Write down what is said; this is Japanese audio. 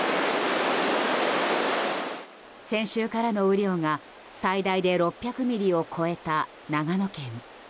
先週からの雨量が最大で６００ミリを超えた長野県。